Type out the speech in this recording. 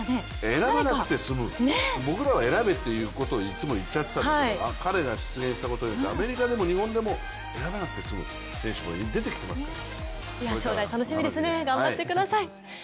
選ばなくて済む、僕らは選べということを言ってきたけれども彼が出現したことによってアメリカでも日本でも選ばなくていい選手が出てきていますから。